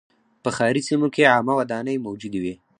په ښاري سیمو کې عامه ودانۍ موجودې وې.